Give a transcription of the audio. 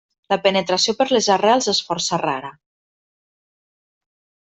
La penetració per les arrels és força rara.